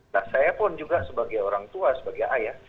nah saya pun juga sebagai orang tua sebagai ayah